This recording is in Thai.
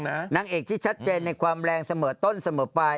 นางเอกที่ชัดเจนในความแรงเสมอต้นเสมอไป